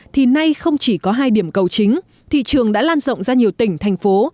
thì nay không chỉ có hai điểm cầu chính thị trường đã lan rộng ra nhiều tỉnh thành phố